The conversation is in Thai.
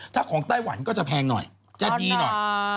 ถ้าของไต้หวันก็จะแพงหน่อยจะดีหน่อย